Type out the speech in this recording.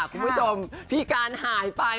คุณผู้ชมพี่การหายไป